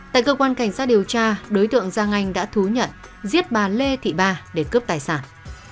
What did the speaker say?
tại cơ quan cảnh sát điều tra đối tượng giang anh đã thú nhận giết bà lê thị ba để cướp tài sản